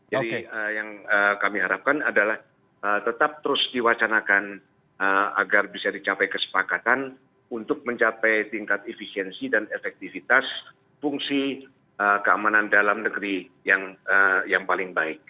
jadi yang kami harapkan adalah tetap terus diwacanakan agar bisa dicapai kesepakatan untuk mencapai tingkat efisiensi dan efektivitas fungsi keamanan dalam negeri yang paling baik